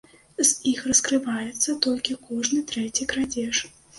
З іх раскрываецца толькі кожны трэці крадзеж.